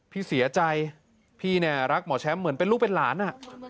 พี่เสียใจพี่เนี่ยรักหมอแชมป์เหมือนเป็นลูกเป็นหลาน